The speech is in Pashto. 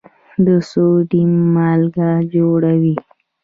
د سوډیم مالګه جوړوي.